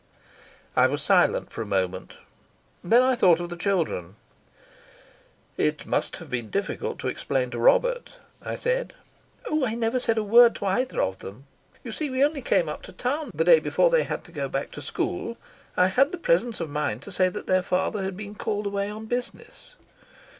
I was silent for a moment. Then I thought of the children. "It must have been difficult to explain to Robert," I said. "Oh, I never said a word to either of them. You see, we only came up to town the day before they had to go back to school. I had the presence of mind to say that their father had been called away on business."